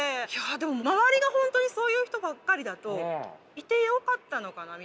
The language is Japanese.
でも周りが本当にそういう人ばっかりだといてよかったのかなみたいな。